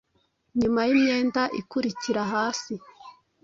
nyuma yimyenda ikurikira hasi -